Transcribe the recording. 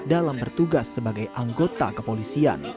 dalam bertugas sebagai anggota kepolisian